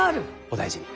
お大事に。